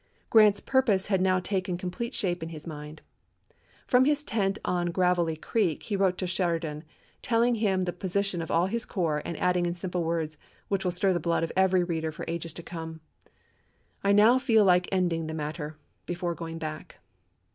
Grant's purpose had now taken com plete shape in his mind. From his tent on Gravelly Creek he wrote to Sheridan, telling him the posi tion of all his corps, and adding in simple words, which will stir the blood of every reader for ages to come, "I now feel like ending the matter ... before going back."